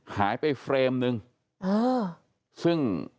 หายไปเฟรมนึง